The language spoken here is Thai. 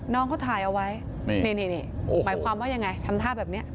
น้องเขาถ่ายเอาไว้นี่นี่นี่โอ้โหหมายความว่ายังไงทำท่าแบบเนี้ย